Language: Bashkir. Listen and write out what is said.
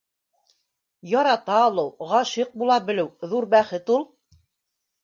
Ярата алыу, ғашиҡ була белеү ҙур бәхет ул